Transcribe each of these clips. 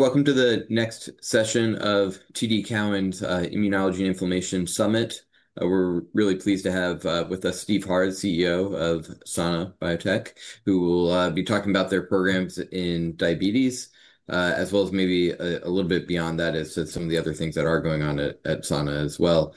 Welcome to the next session of TD Cowen's Immunology and Inflammation Summit. We're really pleased to have with us Steve Harr, the CEO of Sana Biotechnology, who will be talking about their programs in diabetes, as well as maybe a little bit beyond that, as some of the other things that are going on at Sana as well.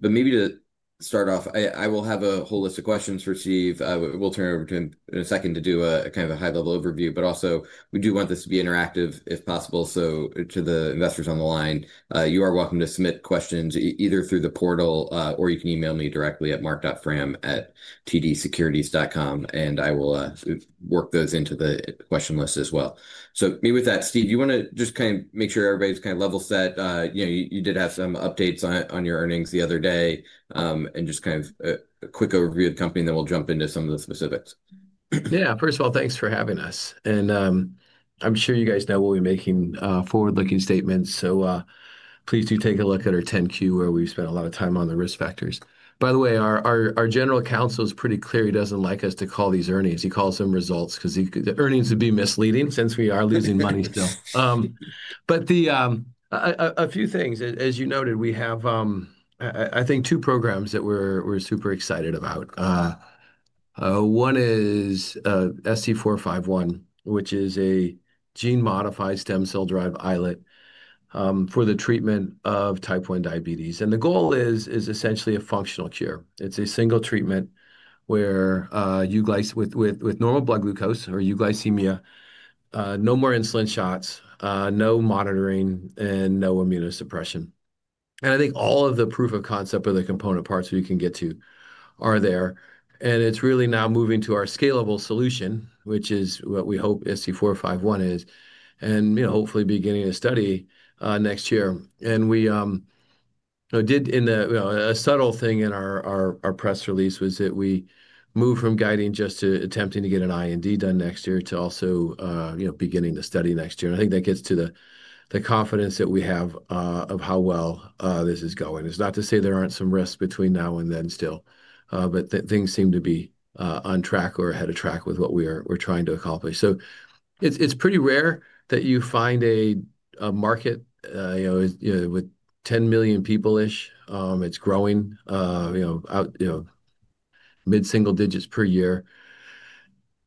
Maybe to start off, I will have a holistic question for Steve. We'll turn it over to him in a second to do a kind of a high-level overview. Also, we do want this to be interactive if possible. To the investors on the line, you are welcome to submit questions either through the portal or you can email me directly at mark.fram@tdsecurities.com, and I will work those into the question list as well. Maybe with that, Steve, do you want to just kind of make sure everybody's kind of level set? You did have some updates on your earnings the other day. Just kind of a quick overview of the company, then we'll jump into some of the specifics. Yeah, first of all, thanks for having us. I'm sure you guys know we'll be making forward-looking statements. Please do take a look at our 10Q, where we've spent a lot of time on the risk factors. By the way, our general counsel is pretty clear. He doesn't like us to call these earnings. He calls them results because earnings would be misleading since we are losing money still. A few things. As you noted, we have, I think, two programs that we're super excited about. One is SC451, which is a gene-modified stem cell-derived islet for the treatment of type 1 diabetes. The goal is essentially a functional cure. It's a single treatment where you with normal blood glucose or euglycemia, no more insulin shots, no monitoring, and no immunosuppression. I think all of the proof of concept or the component parts we can get to are there. It is really now moving to our scalable solution, which is what we hope SC451 is, and hopefully beginning a study next year. We did a subtle thing in our press release, which was that we moved from guiding just to attempting to get an IND done next year to also beginning the study next year. I think that gets to the confidence that we have of how well this is going. It is not to say there are not some risks between now and then still, but things seem to be on track or ahead of track with what we are trying to accomplish. It is pretty rare that you find a market with 10 million people-ish. It's growing mid-single digits per year,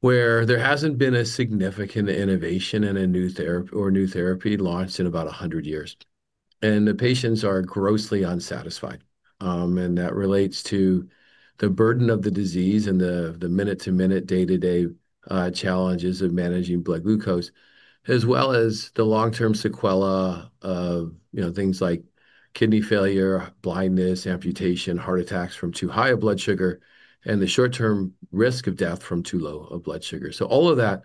where there hasn't been a significant innovation in a new therapy or new therapy launched in about 100 years. The patients are grossly unsatisfied. That relates to the burden of the disease and the minute-to-minute, day-to-day challenges of managing blood glucose, as well as the long-term sequelae of things like kidney failure, blindness, amputation, heart attacks from too high a blood sugar, and the short-term risk of death from too low a blood sugar. All of that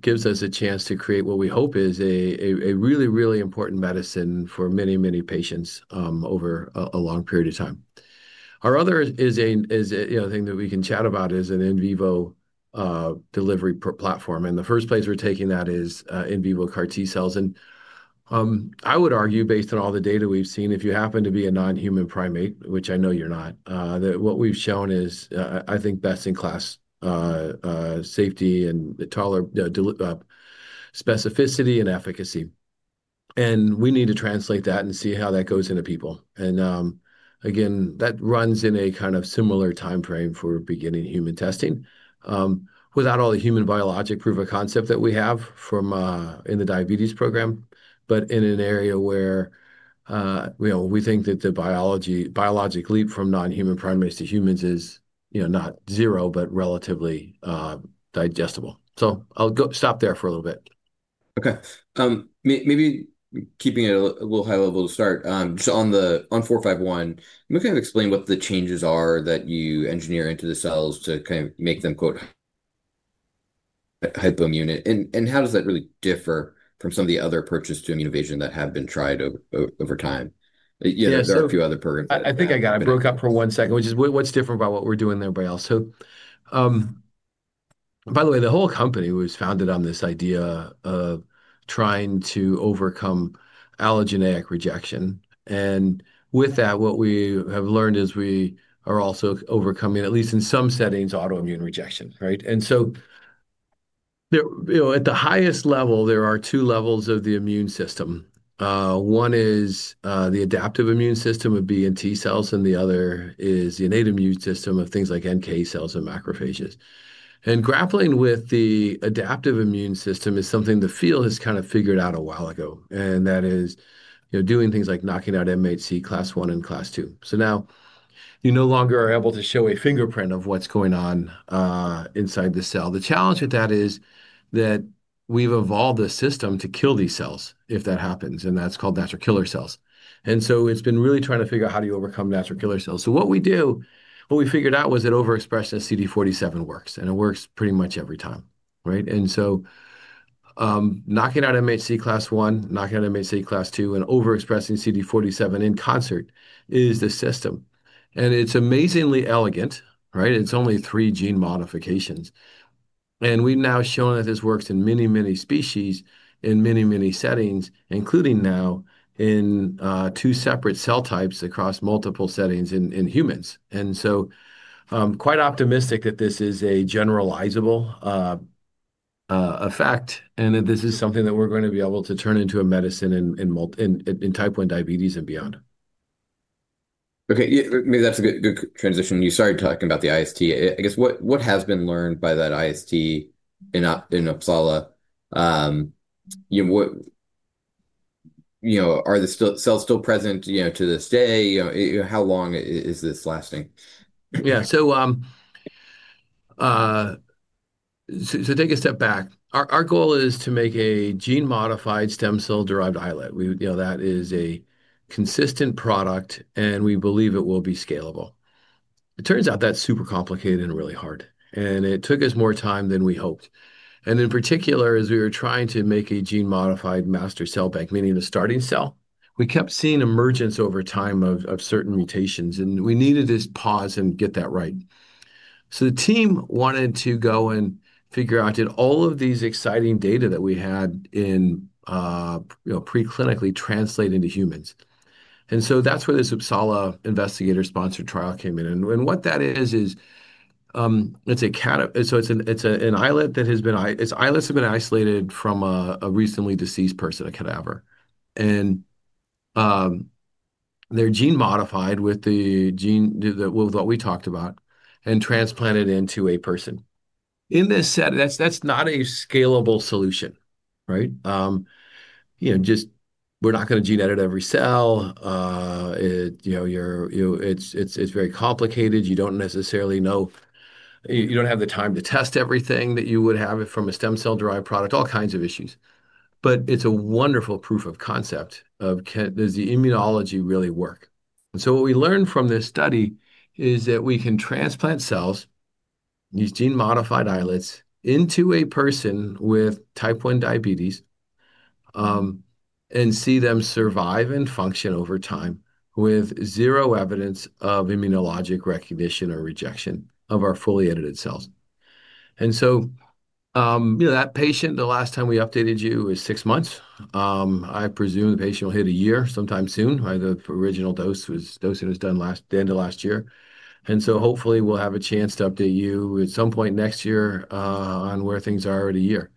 gives us a chance to create what we hope is a really, really important medicine for many, many patients over a long period of time. Our other thing that we can chat about is an in vivo delivery platform. The first place we're taking that is in vivo CAR T cells. I would argue, based on all the data we've seen, if you happen to be a non-human primate, which I know you're not, that what we've shown is, I think, best-in-class safety and specificity and efficacy. We need to translate that and see how that goes into people. Again, that runs in a kind of similar time frame for beginning human testing without all the human biologic proof of concept that we have in the diabetes program, but in an area where we think that the biologic leap from non-human primates to humans is not zero, but relatively digestible. I'll stop there for a little bit. Okay. Maybe keeping it a little high level to start, just on 451, can you kind of explain what the changes are that you engineer into the cells to kind of make them hypoimmune, and how does that really differ from some of the other approaches to immuno evasion that have been tried over time? There are a few other programs. I think I got it. I broke up for one second, which is what's different about what we're doing there by also. By the way, the whole company was founded on this idea of trying to overcome allogeneic rejection. With that, what we have learned is we are also overcoming, at least in some settings, autoimmune rejection, right? At the highest level, there are two levels of the immune system. One is the adaptive immune system of B and T cells, and the other is the innate immune system of things like NK cells and macrophages. Grappling with the adaptive immune system is something the field has kind of figured out a while ago, and that is doing things like knocking out MHC class I and class II. Now you no longer are able to show a fingerprint of what's going on inside the cell. The challenge with that is that we've evolved a system to kill these cells if that happens, and that's called natural killer cells. It's been really trying to figure out how do you overcome natural killer cells. What we do, what we figured out was that overexpression of CD47 works, and it works pretty much every time, right? Knocking out MHC class I, knocking out MHC class II, and overexpressing CD47 in concert is the system. It's amazingly elegant, right? It's only three gene modifications. We've now shown that this works in many, many species in many, many settings, including now in two separate cell types across multiple settings in humans. I'm quite optimistic that this is a generalizable effect and that this is something that we're going to be able to turn into a medicine in type 1 diabetes and beyond. Okay. Maybe that's a good transition. You started talking about the IST. I guess what has been learned by that IST in Uppsala? Are the cells still present to this day? How long is this lasting? Yeah. Take a step back. Our goal is to make a gene-modified stem cell-derived islet. That is a consistent product, and we believe it will be scalable. It turns out that's super complicated and really hard. It took us more time than we hoped. In particular, as we were trying to make a gene-modified master cell bank, meaning the starting cell, we kept seeing emergence over time of certain mutations, and we needed to pause and get that right. The team wanted to go and figure out, did all of these exciting data that we had in preclinically translate into humans? That is where this Uppsala investigator-sponsored trial came in. What that is, is it's an islet that has been, islets have been isolated from a recently deceased person, a cadaver. They're gene-modified with the gene that we talked about and transplanted into a person. In this setting, that's not a scalable solution, right? We're not going to gene edit every cell. It's very complicated. You don't necessarily know. You don't have the time to test everything that you would have from a stem cell-derived product, all kinds of issues. It is a wonderful proof of concept of, does the immunology really work? What we learned from this study is that we can transplant cells, these gene-modified islets, into a person with type 1 diabetes and see them survive and function over time with zero evidence of immunologic recognition or rejection of our fully edited cells. That patient, the last time we updated you is six months. I presume the patient will hit a year sometime soon. The original dose was dose that was done the end of last year. Hopefully, we'll have a chance to update you at some point next year on where things are in a year.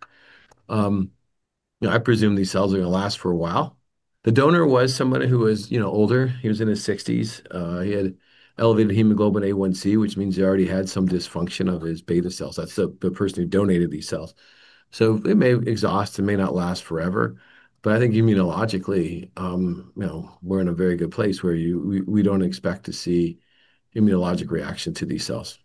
I presume these cells are going to last for a while. The donor was somebody who was older. He was in his 60s. He had elevated hemoglobin A1c, which means he already had some dysfunction of his beta cells. That's the person who donated these cells. It may exhaust and may not last forever. I think immunologically, we're in a very good place where we don't expect to see immunologic reaction to these cells.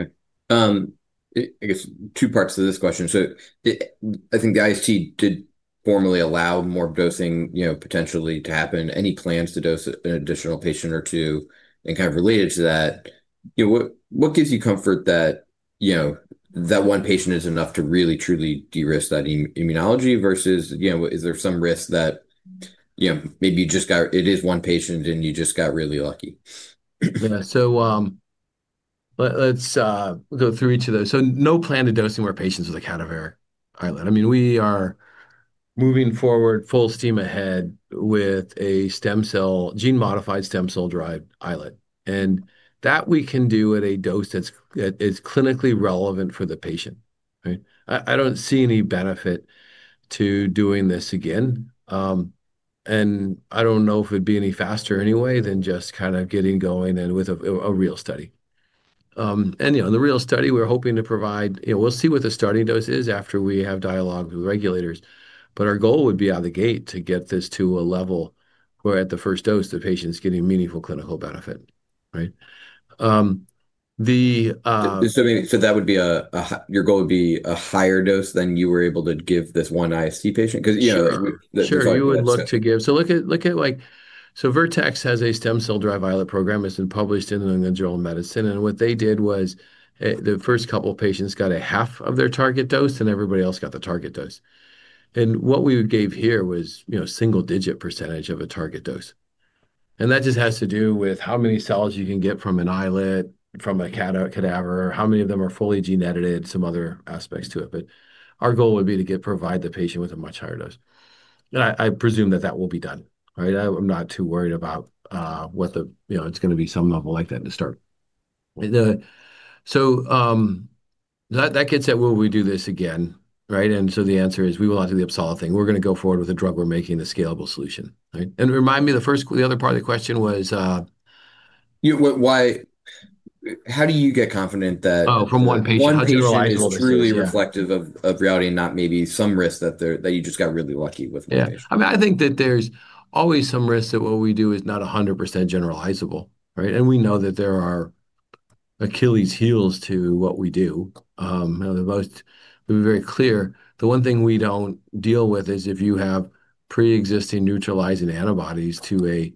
Okay. I guess two parts to this question. I think the IST did formally allow more dosing potentially to happen. Any plans to dose an additional patient or two? Kind of related to that, what gives you comfort that that one patient is enough to really, truly de-risk that immunology versus is there some risk that maybe you just got it is one patient and you just got really lucky? Yeah. Let's go through each of those. No plan to dose more patients with a cadaver islet. I mean, we are moving forward full steam ahead with a gene-modified stem cell-derived islet. That we can do at a dose that is clinically relevant for the patient, right? I don't see any benefit to doing this again. I don't know if it'd be any faster anyway than just kind of getting going with a real study. In the real study, we're hoping to provide—we'll see what the starting dose is after we have dialogues with regulators. Our goal would be out of the gate to get this to a level where at the first dose, the patient's getting meaningful clinical benefit, right? That would be your goal, would be a higher dose than you were able to give this one IST patient? Because, you know. Sure. You would look to give. Look at, so Vertex has a stem cell-derived islet program. It has been published in the New England Journal of Medicine. What they did was the first couple of patients got half of their target dose, and everybody else got the target dose. What we gave here was a single-digit % of a target dose. That just has to do with how many cells you can get from an islet, from a cadaver, how many of them are fully gene edited, some other aspects to it. Our goal would be to provide the patient with a much higher dose. I presume that will be done, right? I am not too worried about what the, it is going to be some level like that to start. That gets at will we do this again, right? The answer is we will not do the Uppsala thing. We're going to go forward with a drug. We're making the scalable solution, right? Remind me the other part of the question was. How do you get confident in that? Oh, from one patient? One patient is truly reflective of reality and not maybe some risk that you just got really lucky with one patient. Yeah. I mean, I think that there's always some risk that what we do is not 100% generalizable, right? And we know that there are Achilles heels to what we do. We'll be very clear. The one thing we don't deal with is if you have pre-existing neutralizing antibodies to a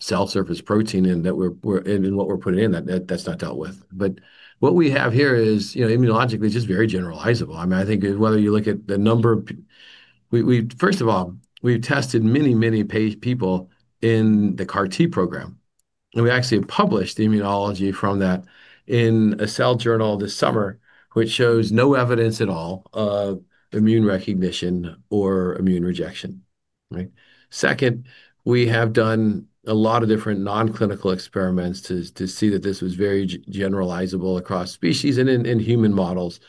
cell surface protein and what we're putting in, that's not dealt with. What we have here is immunologically just very generalizable. I mean, I think whether you look at the number of, first of all, we've tested many, many people in the CAR T program. We actually published immunology from that in a Cell journal this summer, which shows no evidence at all of immune recognition or immune rejection, right? Second, we have done a lot of different non-clinical experiments to see that this was very generalizable across species and in human models.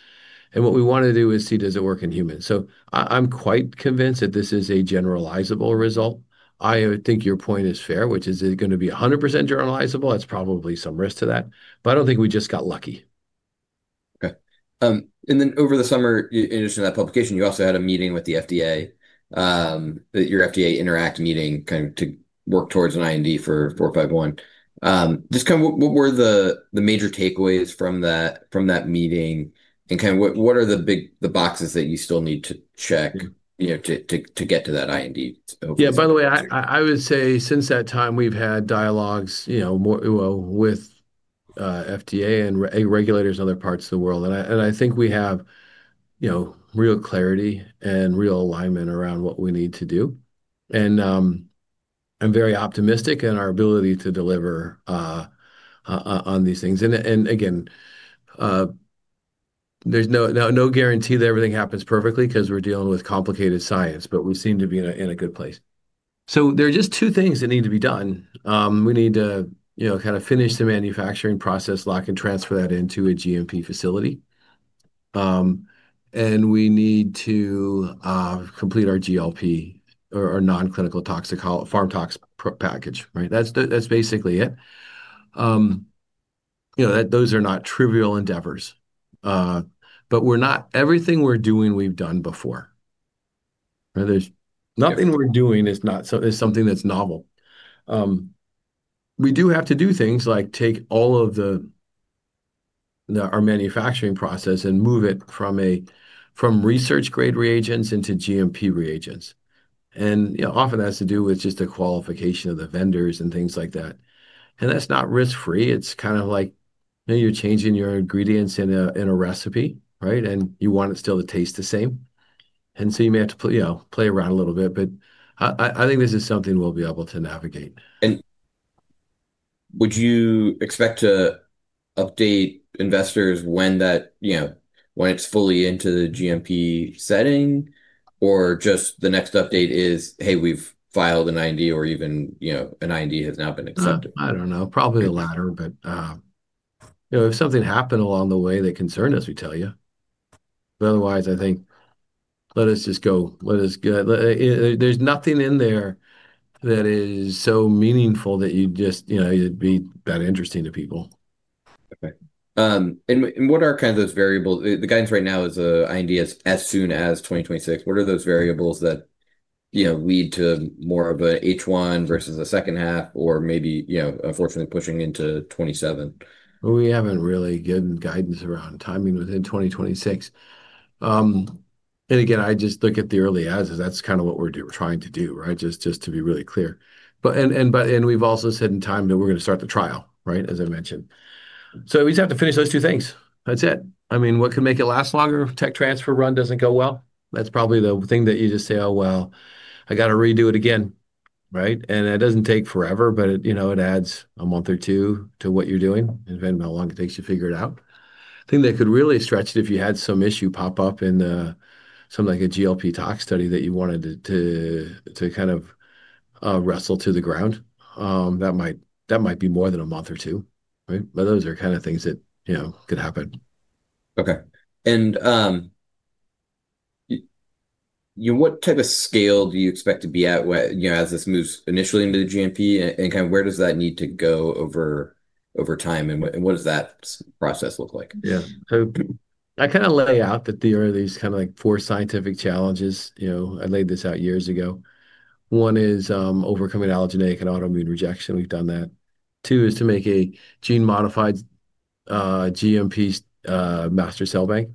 What we want to do is see does it work in humans. I'm quite convinced that this is a generalizable result. I think your point is fair, which is it's going to be 100% generalizable. That's probably some risk to that. I don't think we just got lucky. Okay. In addition to that publication over the summer, you also had a meeting with the FDA, your FDA Interact meeting, kind of to work towards an IND for 451. Just kind of what were the major takeaways from that meeting? And kind of what are the boxes that you still need to check to get to that IND? Yeah. By the way, I would say since that time, we've had dialogues with FDA and regulators in other parts of the world. I think we have real clarity and real alignment around what we need to do. I'm very optimistic in our ability to deliver on these things. Again, there's no guarantee that everything happens perfectly because we're dealing with complicated science, but we seem to be in a good place. There are just two things that need to be done. We need to kind of finish the manufacturing process, lock and transfer that into a GMP facility. We need to complete our GLP or non-clinical pharm tox package, right? That's basically it. Those are not trivial endeavors. Everything we're doing, we've done before. Nothing we're doing is something that's novel. We do have to do things like take all of our manufacturing process and move it from research-grade reagents into GMP reagents. Often, that has to do with just the qualification of the vendors and things like that. That is not risk-free. It is kind of like you're changing your ingredients in a recipe, right? You want it still to taste the same. You may have to play around a little bit. I think this is something we'll be able to navigate. Would you expect to update investors when it's fully into the GMP setting? Or just the next update is, "Hey, we've filed an IND," or even an IND has now been accepted? I don't know. Probably the latter. If something happened along the way that concerned us, we tell you. Otherwise, I think let us just go. There's nothing in there that is so meaningful that you'd just be that interesting to people. Okay. What are kind of those variables? The guidance right now is IND as soon as 2026. What are those variables that lead to more of an H1 versus a second half or maybe unfortunately pushing into 2027? We haven't really given guidance around timing within 2026. I just look at the early as is. That's kind of what we're trying to do, right? Just to be really clear. We've also said in time that we're going to start the trial, right? As I mentioned. We just have to finish those two things. That's it. I mean, what can make it last longer? Tech transfer run doesn't go well. That's probably the thing that you just say, "Oh, well, I got to redo it again," right? It doesn't take forever, but it adds a month or two to what you're doing and depending on how long it takes you to figure it out. I think that could really stretch it if you had some issue pop up in something like a GLP tox study that you wanted to kind of wrestle to the ground. That might be more than a month or two, right? Those are kind of things that could happen. Okay. What type of scale do you expect to be at as this moves initially into the GMP? Kind of where does that need to go over time? What does that process look like? Yeah. I kind of lay out that there are these kind of like four scientific challenges. I laid this out years ago. One is overcoming allogeneic and autoimmune rejection. We've done that. Two is to make a gene-modified GMP master cell bank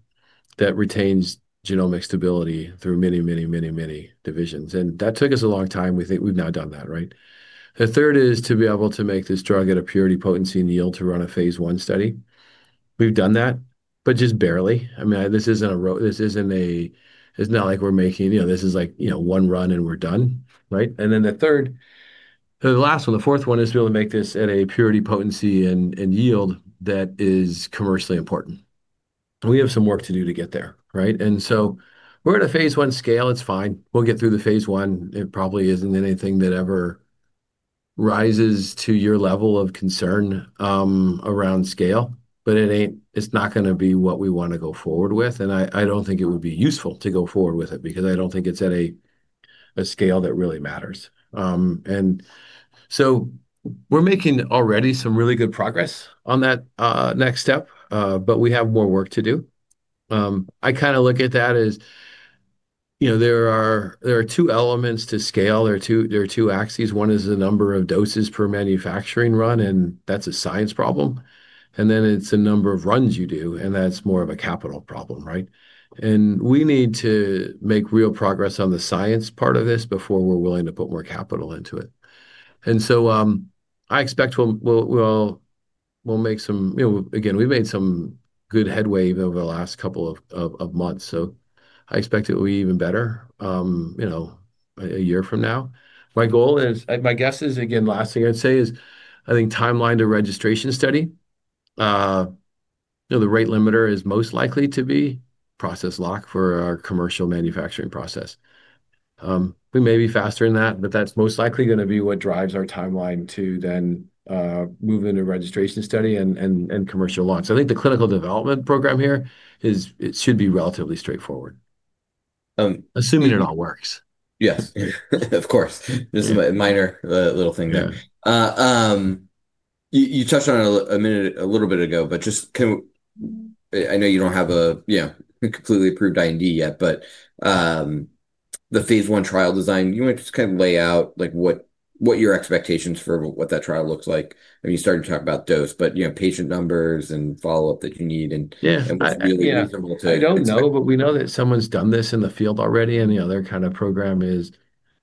that retains genomic stability through many, many, many divisions. And that took us a long time. We think we've now done that, right? The third is to be able to make this drug at a purity, potency, and yield to run a phase I study. We've done that, but just barely. I mean, this isn't a it's not like we're making this is like one run and we're done, right? The last one, the fourth one, is to be able to make this at a purity, potency, and yield that is commercially important. We have some work to do to get there, right? We're at a phase I scale. It's fine. We'll get through the phase I. It probably isn't anything that ever rises to your level of concern around scale. It's not going to be what we want to go forward with. I don't think it would be useful to go forward with it because I don't think it's at a scale that really matters. We're making already some really good progress on that next step, but we have more work to do. I kind of look at that as there are two elements to scale. There are two axes. One is the number of doses per manufacturing run, and that's a science problem. Then it's the number of runs you do, and that's more of a capital problem, right? We need to make real progress on the science part of this before we're willing to put more capital into it. I expect we'll make some again, we've made some good headway over the last couple of months. I expect it will be even better a year from now. My goal is, my guess is, again, last thing I'd say is I think timeline to registration study. The rate limiter is most likely to be process lock for our commercial manufacturing process. We may be faster than that, but that's most likely going to be what drives our timeline to then move into registration study and commercial launch. I think the clinical development program here should be relatively straightforward. Assuming it all works. Yes. Of course. This is a minor little thing there. You touched on it a little bit ago, but just kind of, I know you don't have a completely approved IND yet, but the phase I trial design, you might just kind of lay out what your expectations for what that trial looks like. I mean, you started to talk about dose, but patient numbers and follow-up that you need and what's really reasonable to. I don't know, but we know that someone's done this in the field already. Their kind of program is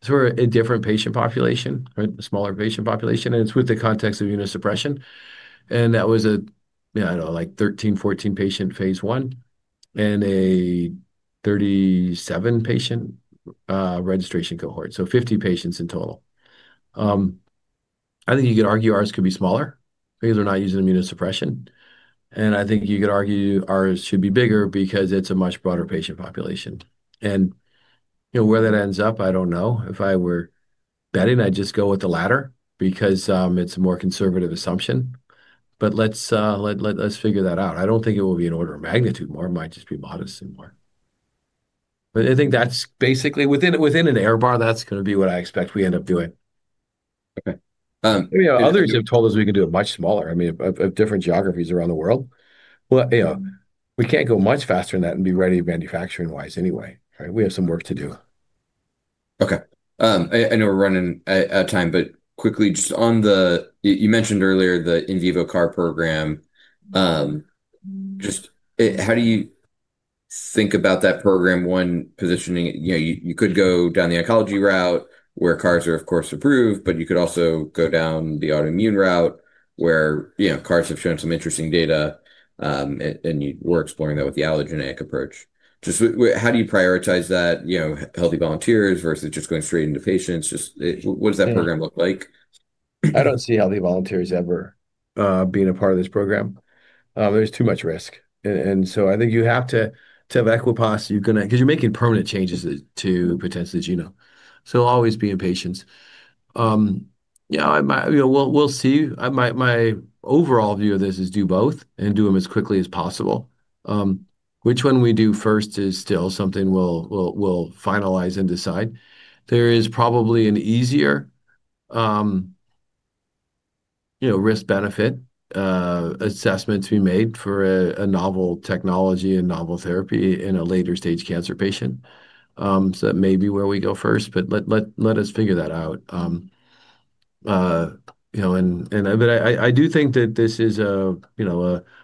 for a different patient population, right? A smaller patient population. It's with the context of immunosuppression. That was a, I don't know, like 13, 14 patient phase I and a 37 patient registration cohort. So 50 patients in total. I think you could argue ours could be smaller because we're not using immunosuppression. I think you could argue ours should be bigger because it's a much broader patient population. Where that ends up, I don't know. If I were betting, I'd just go with the latter because it's a more conservative assumption. Let's figure that out. I don't think it will be an order of magnitude more. It might just be modestly more. I think that's basically within an error bar, that's going to be what I expect we end up doing. Okay. Others have told us we can do it much smaller. I mean, of different geographies around the world. We can't go much faster than that and be ready manufacturing-wise anyway, right? We have some work to do. Okay. I know we're running out of time, but quickly, just on the, you mentioned earlier the In vivo CAR program. Just how do you think about that program? One, positioning it. You could go down the oncology route where CARs are, of course, approved, but you could also go down the autoimmune route where CARs have shown some interesting data. And we're exploring that with the allogeneic approach. Just how do you prioritize that? Healthy volunteers versus just going straight into patients? What does that program look like? I don't see healthy volunteers ever being a part of this program. There's too much risk. I think you have to have equiposity because you're making permanent changes to potentially the genome. Always be in patients. Yeah. We'll see. My overall view of this is do both and do them as quickly as possible. Which one we do first is still something we'll finalize and decide. There is probably an easier risk-benefit assessment to be made for a novel technology and novel therapy in a later-stage cancer patient. That may be where we go first, but let us figure that out. I do think that this is a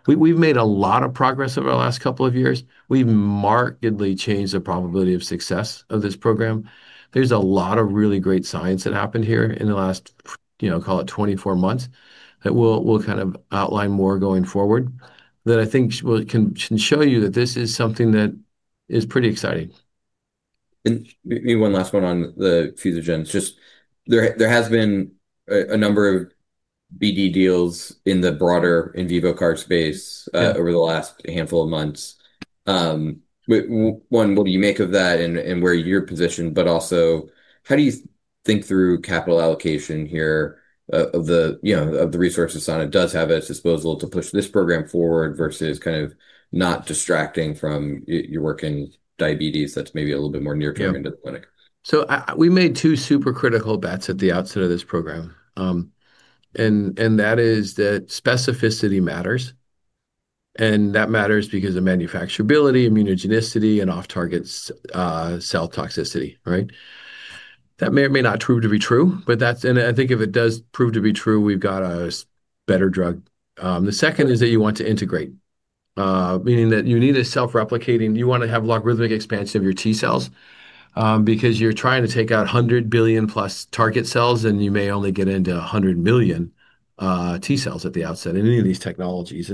we've made a lot of progress over the last couple of years. We've markedly changed the probability of success of this program. There's a lot of really great science that happened here in the last, call it, 24 months. We'll kind of outline more going forward that I think can show you that this is something that is pretty exciting. Maybe one last one on the fuse of gens. Just there has been a number of BD deals in the broader In vivo CAR space over the last handful of months. One, what do you make of that and where you're positioned? Also, how do you think through capital allocation here of the resources Sana does have at its disposal to push this program forward versus kind of not distracting from your work in diabetes that's maybe a little bit more near-term into the clinic? We made two super critical bets at the outset of this program. That is that specificity matters. That matters because of manufacturability, immunogenicity, and off-target cell toxicity, right? That may or may not prove to be true, but that's, and I think if it does prove to be true, we've got a better drug. The second is that you want to integrate, meaning that you need a self-replicating, you want to have logarithmic expansion of your T cells because you're trying to take out 100 billion-plus target cells, and you may only get into 100 million T cells at the outset in any of these technologies.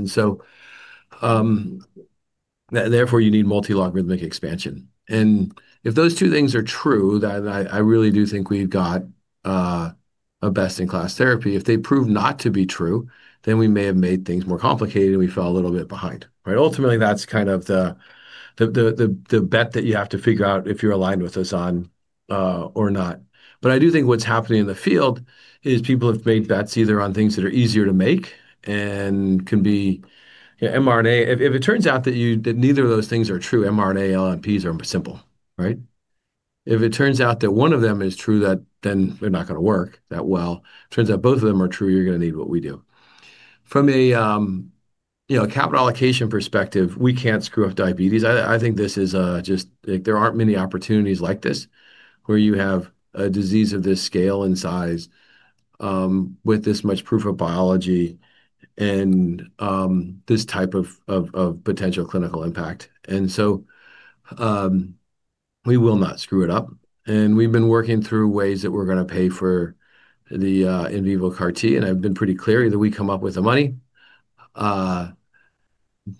Therefore, you need multi-logarithmic expansion. If those two things are true, then I really do think we've got a best-in-class therapy. If they prove not to be true, then we may have made things more complicated, and we fell a little bit behind, right? Ultimately, that's kind of the bet that you have to figure out if you're aligned with us on or not. I do think what's happening in the field is people have made bets either on things that are easier to make and can be mRNA. If it turns out that neither of those things are true, mRNA, LNPs are simple, right? If it turns out that one of them is true, then they're not going to work that well. If it turns out both of them are true, you're going to need what we do. From a capital allocation perspective, we can't screw up diabetes. I think this is just there aren't many opportunities like this where you have a disease of this scale and size with this much proof of biology and this type of potential clinical impact. We will not screw it up. We've been working through ways that we're going to pay for the In vivo CAR T. I've been pretty clear that we come up with the money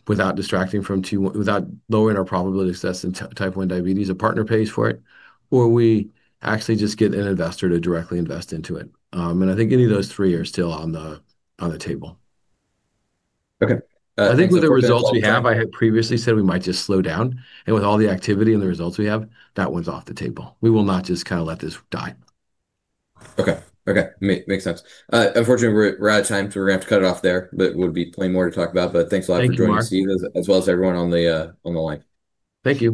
without distracting from too, without lowering our probability of success in type 1 diabetes. A partner pays for it, or we actually just get an investor to directly invest into it. I think any of those three are still on the table. Okay. I think with the results we have, I had previously said we might just slow down. With all the activity and the results we have, that one's off the table. We will not just kind of let this die. Okay. Okay. Makes sense. Unfortunately, we're out of time, so we're going to have to cut it off there, but it would be plenty more to talk about. Thanks a lot for joining us, Steve, as well as everyone on the line. Thank you.